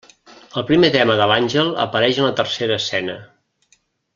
El primer tema de l'àngel apareix en la tercera escena.